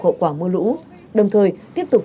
khổ quả mưa lũ đồng thời tiếp tục